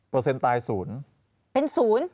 เปอร์เซ็นต์ตายศูนย์